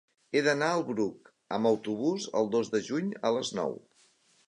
He d'anar al Bruc amb autobús el dos de juny a les nou.